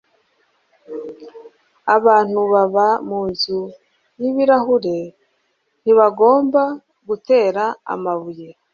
abantu baba munzu yibirahure ntibagomba gutera amabuye